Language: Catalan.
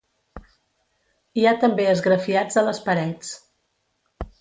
Hi ha també esgrafiats a les parets.